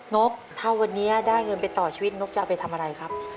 นกถ้าวันนี้ได้เงินไปต่อชีวิตนกจะเอาไปทำอะไรครับ